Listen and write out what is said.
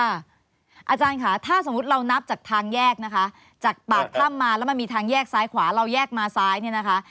อาจารย์ค่ะถ้าสมมุติเรานับจากทางแยกนะคะจากปากถ้ำมาแล้วมันมีทางแยกซ้ายขวาเราแยกมาซ้ายเนี่ยนะคะ